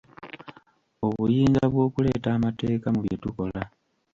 Obuyinza bw'okuleeta amateeka mu bye tukola.